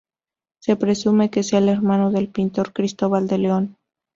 Se presume que sea el hermano del pintor Cristóbal de León.